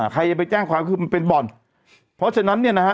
ใครจะไปแจ้งความคือมันเป็นบ่อนเพราะฉะนั้นเนี่ยนะฮะ